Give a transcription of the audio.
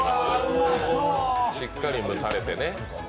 しっかり蒸されてね。